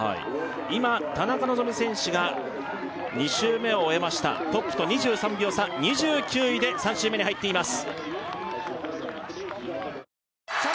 はい今田中希実選手が２周目を終えましたトップと２３秒差２９位で３周目に入っています